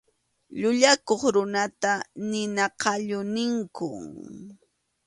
Llullakuq runata nina qallu ninkum.